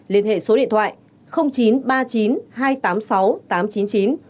liên hệ số điện thoại chín trăm ba mươi chín hai trăm tám mươi sáu tám trăm chín mươi chín